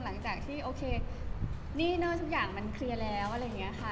หลังจากที่โอเคหนี้เนอร์ทุกอย่างมันเคลียร์แล้วอะไรอย่างนี้ค่ะ